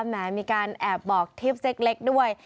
แหมมีการแอบบอกทริปเซ็กเล็กด้วย